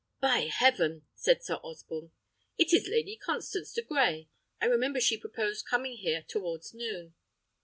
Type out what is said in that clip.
"By heaven!" said Sir Osborne, "it is Lady Constance de Grey! I remember she proposed coming here towards noon.